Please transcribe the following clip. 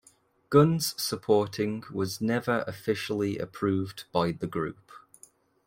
Guns supporting "was never officially approved" by the group.